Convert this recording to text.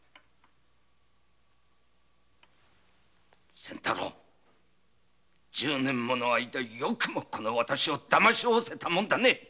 仙太郎１０年もの間よくもこの私をだましてたもんだね。